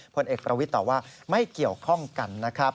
ผลเอกประวิทย์ตอบว่าไม่เกี่ยวข้องกันนะครับ